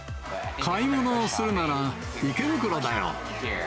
買い物をするなら、池袋だよ。